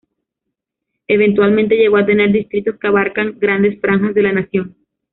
Eventualmente llegó a tener distritos que abarcan grandes franjas de la nación.